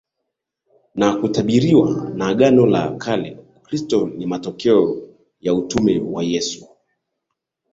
na kutabiriwa na Agano la KaleUkristo ni matokeo ya utume wa Yesu